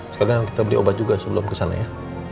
sekarang kita beli obat juga sebelum kesana ya